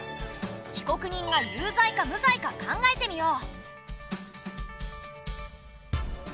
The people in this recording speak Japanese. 被告人が有罪か無罪か考えてみよう。